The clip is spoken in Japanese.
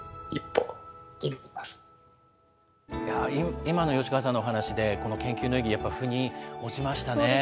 今の吉川さんのお話で、この研究の意義、そうですよね。